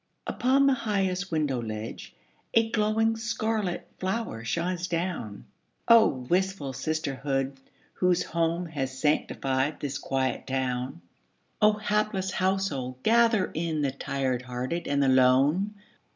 Upon the highest window ledge A glowing scarlet flower shines down. Oh, wistful sisterhood, whose home Has sanctified this quiet town! Oh, hapless household, gather in The tired hearted and the lone!